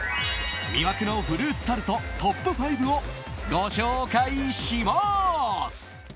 魅惑のフルーツタルトトップ５をご紹介します！